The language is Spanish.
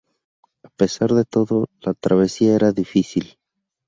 A pesar de todo, la travesía era difícil.